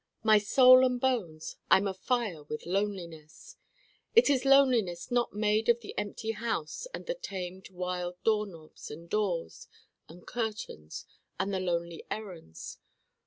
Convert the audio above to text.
My Soul and bones! I'm afire with Loneliness! It is Loneliness not made of the Empty House and the tamed wild Door knobs and Doors and Curtains and the Lonely Errands.